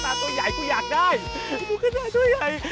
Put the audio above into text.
ตัวใหญ่กูอยากได้กูขึ้นมาตัวใหญ่